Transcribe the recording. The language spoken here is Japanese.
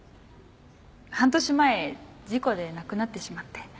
半年前事故で亡くなってしまって。